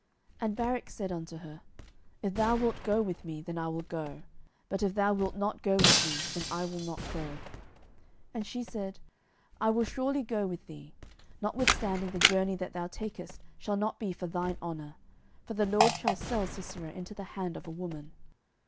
07:004:008 And Barak said unto her, If thou wilt go with me, then I will go: but if thou wilt not go with me, then I will not go. 07:004:009 And she said, I will surely go with thee: notwithstanding the journey that thou takest shall not be for thine honour; for the LORD shall sell Sisera into the hand of a woman.